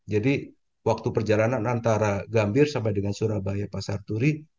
jadi waktu perjalanan antara gambir sampai dengan surabaya pasar turi